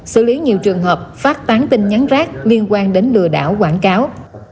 xử lý nhiều trường hợp phát tán tin nhắn rác liên quan đến lừa đảo quảng cáo